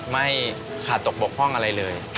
ไม่ขาดตกบกพร่องอะไรเลย